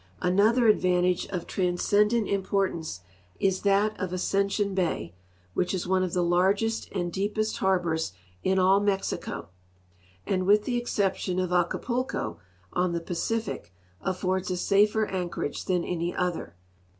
Another advantage of transcendant impoi'tance is that of Ascension bay, which is one of the largest and deep est harbors in all INIexico, and with the exception of Acapulco, on the Pacific, affords a safer anchorage than any other.